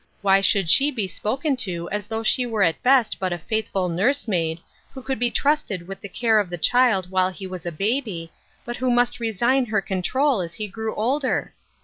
Why should she be spoken to as though she were at best but a faithful nursemaid, who could be trusted with the care of the child while he was a baby, but who must resign her control as he grew older